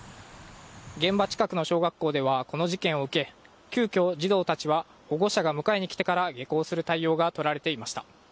現場近くの小学校ではこの事件を受け急きょ、児童たちは保護者が迎えに来てから下校する対応がとられていました。